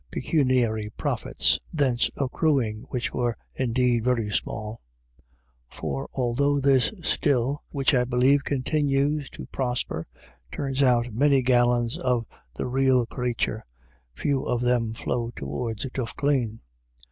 pecuniary profits thence accruing, which were indeed very smalL For although this still, which I believe continues to prosper, turns out many gallons of the rael crathur, few of them flow towards Duffclane.